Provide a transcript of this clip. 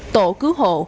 tổ cứu hộ